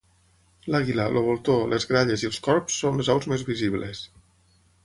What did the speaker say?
L'àliga, el voltor, les gralles i els corbs són les aus més visibles.